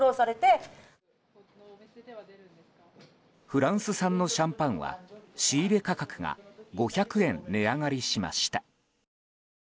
フランス産のシャンパンは仕入れ価格が５００円値上がりしました。